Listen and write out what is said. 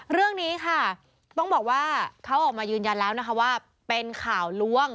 เรื่องนี้ค่ะต้องบอกว่าเขาออกมายืนยันแล้วนะคะว่าเป็นข่าวล้วง